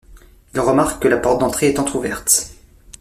Il remarque que la porte d'entrée est entrouverte.